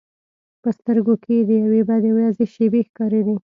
په سترګو کې یې د یوې بدې ورځې شېبې ښکارېدې.